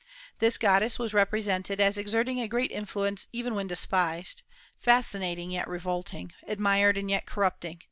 This goddess was represented as exerting a great influence even when despised, fascinating yet revolting, admired and yet corrupting.